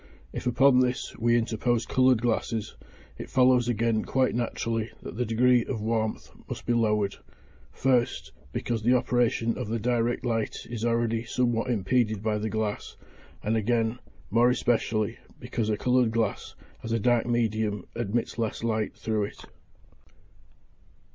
If upon this we interpose coloured glasses, it follows again quite naturally that the degree of warmth must be lowered; first, because the operation of the direct light is already somewhat impeded by the glass, and again, more especially, because a coloured glass, as a dark medium, admits less light through it.